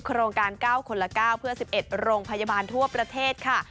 โครงการ๙คนละ๙เพื่อ๑๑โรงพยาบาลทั่วประเทศค่ะ